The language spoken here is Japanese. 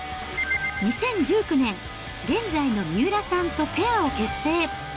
２０１９年、現在の三浦さんとペアを結成。